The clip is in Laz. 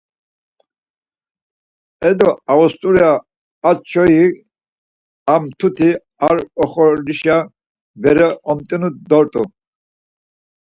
Edo Avust̆urya a çoyi a mtuti ar oxorişa bere omt̆inu dort̆u.